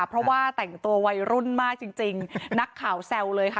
เพราะว่าแต่งตัววัยรุ่นมากจริงนักข่าวแซวเลยค่ะ